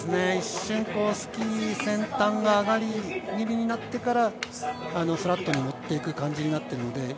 一瞬、スキー先端が上がり気味になってからフラットに持っていく感じになっているので、